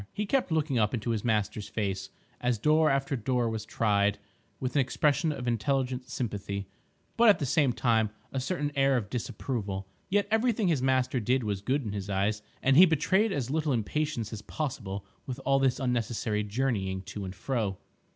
He kept looking up into his master's face, as door after door was tried, with an expression of intelligent sympathy, but at the same time a certain air of disapproval. Yet everything his master did was good in his eyes, and he betrayed as little impatience as possible with all this unnecessary journeying to and fro.